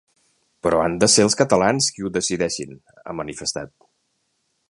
Però han de ser els catalans qui ho decideixin, ha manifestat.